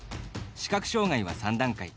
視覚障がいは３段階。